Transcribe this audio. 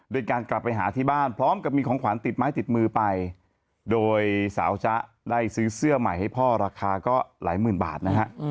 โดยการกลับไปหาที่บ้านพร้อมกับมีของขวัญติดไม้ติดมือไปโดยสาวจ๊ะได้ซื้อเสื้อใหม่ให้พ่อราคาก็หลายหมื่นบาทนะฮะ